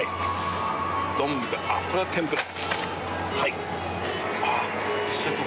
あっこれは天ぷら。